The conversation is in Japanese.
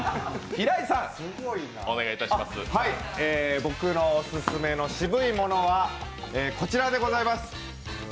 僕のオススメでシブい物はこちらでございます。